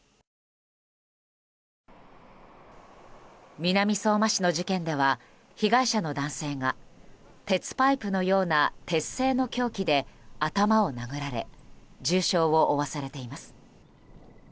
南相馬市の事件では被害者の男性が鉄パイプのような鉄製の凶器で頭を殴られ重傷を負わされています。